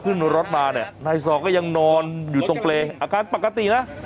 ขึ้นรถมาเนี่ยนายซอก็ยังนอนอยู่ตรงเปรย์อาการปกตินะ